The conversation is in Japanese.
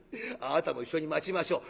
あなたも一緒に待ちましょう。